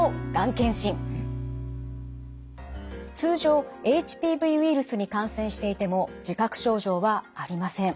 通常ＨＰＶウイルスに感染していても自覚症状はありません。